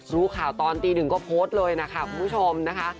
รู้ข่าวตอนตีหนึ่งก็โพสต์เลยนะคะคุณผู้ชมนะคะ